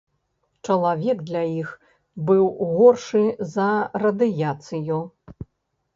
Чалавек для іх быў горшы за радыяцыю.